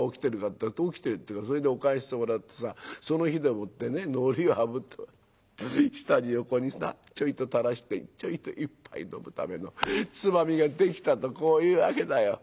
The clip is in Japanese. ったら『おきてる』って言うからそれでお燗してもらってさその火でもってねのりをあぶって下地をここになちょいとたらしてちょいと一杯飲むためのつまみができたとこういうわけだよ」。